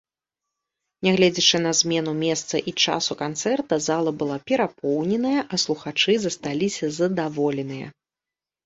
Нягледзячы на змену месца і часу канцэрта, зала была перапоўненая, а слухачы засталіся задаволеныя.